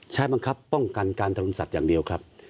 ใช้บังคับป้องกันการทำสัตว์อย่างเดียวครับ